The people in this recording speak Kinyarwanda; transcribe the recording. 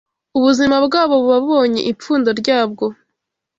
ubuzima bwabo buba bubonye ipfundo ryabwo